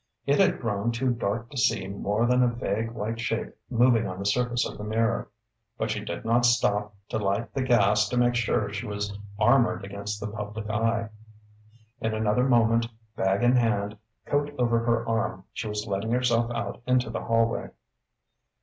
It had grown too dark to see more than a vague white shape moving on the surface of the mirror. But she did not stop to light the gas to make sure she was armoured against the public eye. In another moment, bag in hand, coat over her arm, she was letting herself out into the hallway.